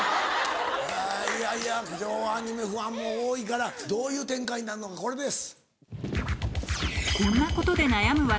いやいや今日はアニメファンも多いからどういう展開になるのかこれです。